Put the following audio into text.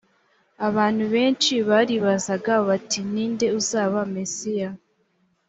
abantu benshi baribazaga bati ni nde uzaba mesiya